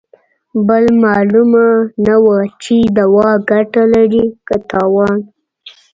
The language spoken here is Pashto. بل مالومه نه وه چې دوا ګته لري که تاوان.